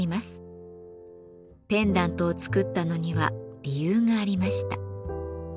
ペンダントを作ったのには理由がありました。